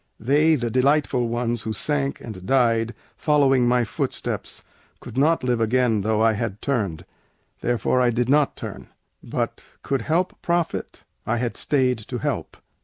They, the delightful ones, who sank and died, Following my footsteps, could not live again Though I had turned, therefore I did not turn; But could help profit, I had stayed to help.